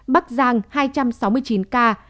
bắc giang hai trăm sáu mươi chín ca